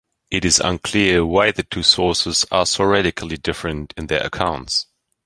It is unclear why the two sources are so radically different in their accounts.